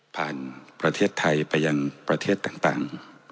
ประเทศไทยไปยังประเทศต่าง